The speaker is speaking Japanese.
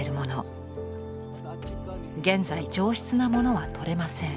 現在上質なものはとれません。